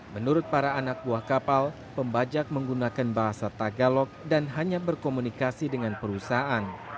menurut para anak buah kapal pembajak menggunakan bahasa tagalok dan hanya berkomunikasi dengan perusahaan